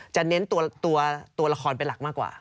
เน้นตัวละครเป็นหลักมากกว่า